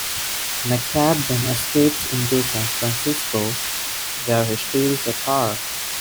McCabe then escapes into San Francisco, where he steals a car.